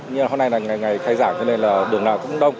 nhưng hôm nay là ngày ngày khai giảng cho nên là đường nào cũng đông